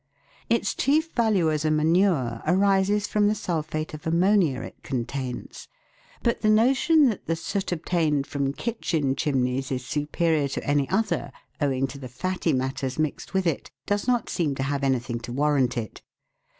Its chief value as a manure arises from the sulphate of ammonia it contains, but the notion that the soot obtained from kitchen chimneys is superior to any other, owing to the fatty matters mixed with it, does not seem to have any thing to warrant it.